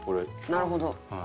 なるほど。